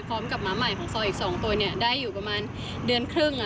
พร้อมกับม้าห์ใหม่ของซออีกสองตัวได้อยู่ประมาณเดือนครึ่ง